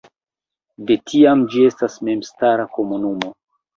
De tiam ĝi estas memstara komunumo.